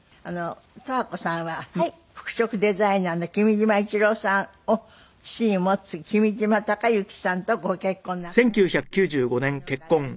十和子さんは服飾デザイナーの君島一郎さんを父に持つ君島誉幸さんとご結婚なさいまして芸能界を引退。